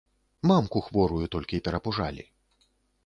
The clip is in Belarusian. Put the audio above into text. Мамку хворую толькі перапужалі.